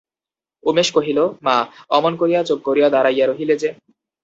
উমেশ কহিল, মা, অমন করিয়া চুপ করিয়া দাঁড়াইয়া রহিলে যে!